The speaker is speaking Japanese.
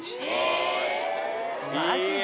マジで？